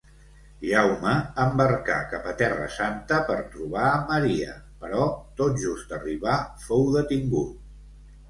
Jaume embarcà cap a Terra Santa per trobar Maria, però tot just arribar fou detingut.